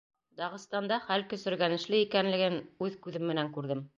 Дағстанда хәл көсөргәнешле икәнлеген үҙ күҙем менән күрҙем.